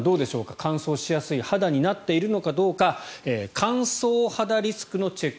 乾燥しやすい肌になっているのかどうか乾燥肌リスクのチェック